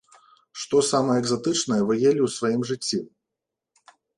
Што самае экзатычнае вы елі ў сваім жыцці?